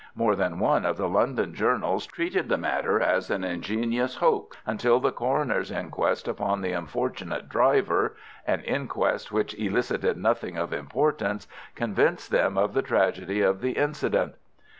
More than one of the London journals treated the matter as an ingenious hoax, until the coroner's inquest upon the unfortunate driver (an inquest which elicited nothing of importance) convinced them of the tragedy of the incident.